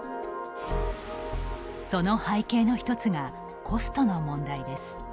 その背景の１つがコストの問題です。